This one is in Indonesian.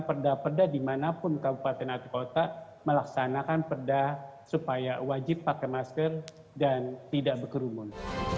perda perda dimanapun kabupaten atau kota melaksanakan perda supaya wajib pakai masker dan tidak berkerumun